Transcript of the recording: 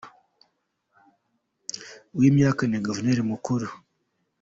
w’imyaka ni Guverineri Mukuru.